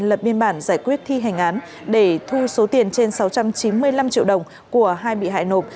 lập biên bản giải quyết thi hành án để thu số tiền trên sáu trăm chín mươi năm triệu đồng của hai bị hại nộp